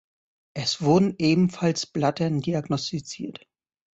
Es wurden ebenfalls Blattern diagnostiziert.